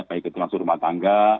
baik itu termasuk rumah tangga